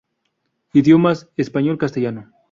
Idiomas: Español castellano.